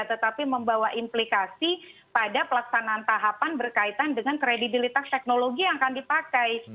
tetapi membawa implikasi pada pelaksanaan tahapan berkaitan dengan kredibilitas teknologi yang akan dipakai